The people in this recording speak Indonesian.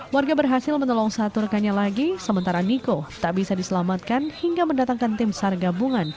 warga berhasil menolong satu rekannya lagi sementara niko tak bisa diselamatkan hingga mendatangkan tim sar gabungan